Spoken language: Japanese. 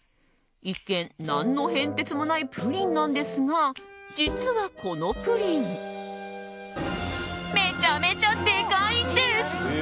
一見、何の変哲もないプリンなんですが実は、このプリンめちゃめちゃでかいんです！